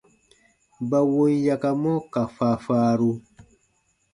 Ba wom yakamɔ ka faafaaru.